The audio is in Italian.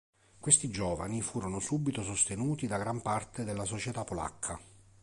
Questi giovani furono subito sostenuti da gran parte della società polacca.